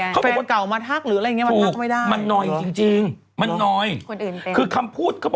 คนอื่นเป็น